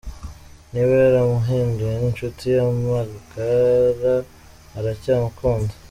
Niba yaramuhinduye inshuti ye magara, aracyamukunda.